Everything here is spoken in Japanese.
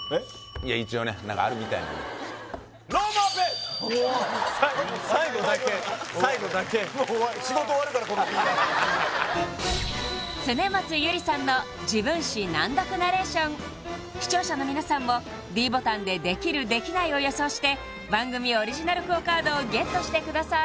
いや一応ね何かあるみたいなの最後だけ仕事終わるからこのディーラー恒松祐里さんの視聴者の皆さんもｄボタンでできるできないを予想して番組オリジナルＱＵＯカードをＧＥＴしてください